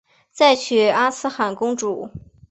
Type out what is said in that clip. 再娶阿剌罕公主。